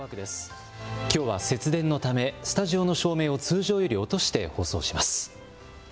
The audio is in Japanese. きょうは節電のためスタジオの照明を通常より落として放送します。